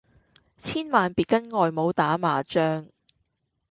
千萬別跟外母打麻將